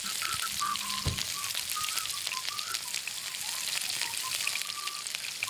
Recipes for these "Earth versions" can be found at Wikibooks.